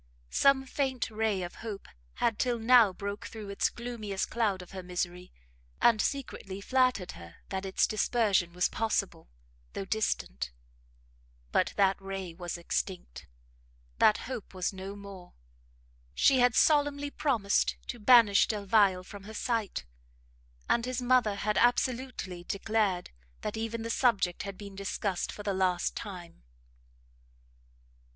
Some faint ray of hope had till now broke through the gloomiest cloud of her misery, and secretly flattered her that its dispersion was possible, though distant: but that ray was extinct, that hope was no more; she had solemnly promised to banish Delvile her sight, and his mother had absolutely declared that even the subject had been discussed for the last time.